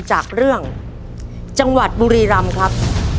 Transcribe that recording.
จากเรื่องจังหวัดบุรีรำครับ